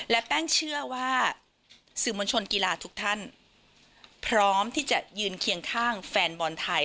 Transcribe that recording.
และแป้งเชื่อว่าสื่อมวลชนกีฬาทุกท่านพร้อมที่จะยืนเคียงข้างแฟนบอลไทย